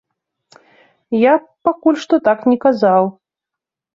Я б пакуль што так не казаў.